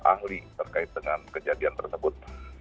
ahli terkait dengan kejadian tersebut